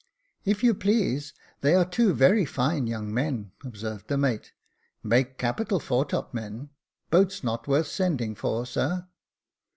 " If you please, they are two very fine young men," observed the mate. " Make capital foretopmen. Boat's not worth sending for, sir."